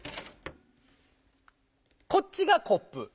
こっちがコップ。